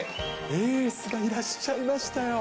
エースがいらっしゃいましたよ。